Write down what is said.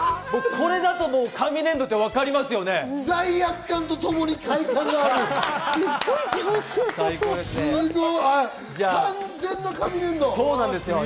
これだと紙粘土だとわかりますよね。